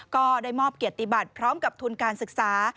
ก็ได้มอบเกียรติบัติพร้อมกับทุนการศึกษา